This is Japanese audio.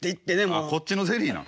あっこっちのゼリーなん？